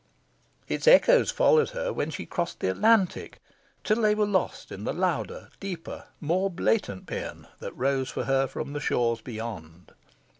Its echoes followed her when she crossed the Atlantic, till they were lost in the louder, deeper, more blatant paean that rose for her from the shores beyond.